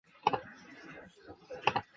他因为玄宗作祭祀词而得圣宠。